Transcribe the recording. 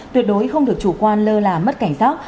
tuyệt đối không được chủ quan lơ là mất cảnh giác